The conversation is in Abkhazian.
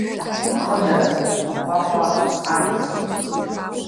Ахыдара, ахәахәа, амц…